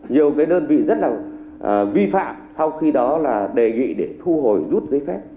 nhiều cái đơn vị rất là vi phạm sau khi đó là đề nghị để thu hồi rút giấy phép